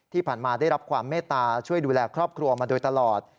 ที่ผ่านมาได้รับความเมตตาช่วยดูแลครอบครัวมาโดยตลอด